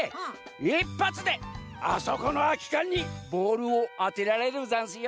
１ぱつであそこのあきかんにボールをあてられるざんすよ。